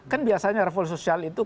kan biasanya reful sosial itu